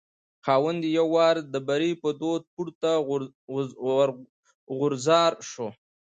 خاوند یې یو وار د بري په دود پورته غورځار شو.